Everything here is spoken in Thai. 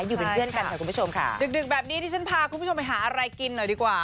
อยู่เป็นเพื่อนกันค่ะคุณผู้ชมค่ะดึกดึกแบบนี้ดิฉันพาคุณผู้ชมไปหาอะไรกินหน่อยดีกว่า